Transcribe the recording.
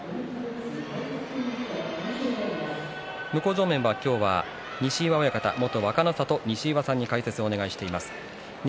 向正面は今日は西岩親方元若の里の西岩さんに解説をお願いしています。